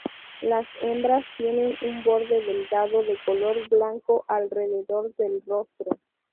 Las hembras tienen un borde delgado de color blanco alrededor del rostro.